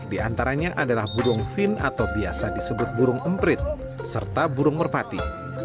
di antaranya adalah burung fin atau biasa disebut burung emprit serta burung merpati